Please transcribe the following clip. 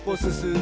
ん